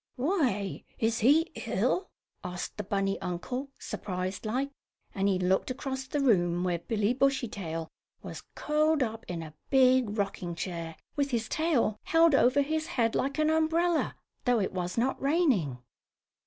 "Why, is he ill?" asked the bunny uncle, surprised like, and he looked across the room where Billy Bushytail was curled up in a big rocking chair, with his tail held over his head like an umbrella, though it was not raining.